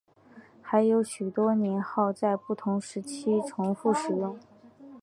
还有许多年号在不同时期重复使用。